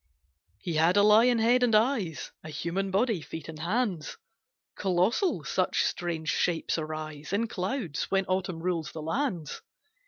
He had a lion head and eyes, A human body, feet and hands, Colossal, such strange shapes arise In clouds, when Autumn rules the lands!